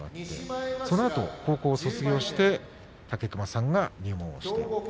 そのあと高校を卒業して武隈さんが入門したということです。